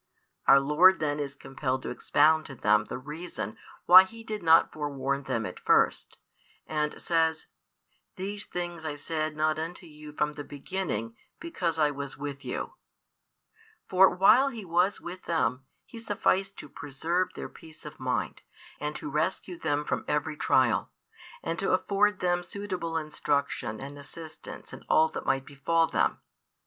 our Lord then is compelled to expound to them the reason why He did not forewarn them at first; and says: These things I said not unto you from the beginning, because I was with you; for while He was with them, He sufficed to preserve their peace of mind, and to rescue them from every trial, and to afford them suitable instruction and assistance in all that might befall them.